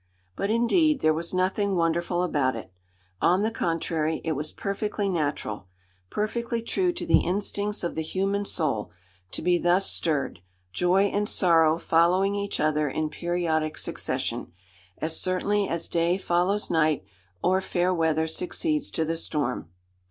But, indeed, there was nothing wonderful about it. On the contrary, it was perfectly natural perfectly true to the instincts of the human soul to be thus stirred: joy and sorrow following each other in periodic succession as certainly as day follows night, or fair weather succeeds to the storm.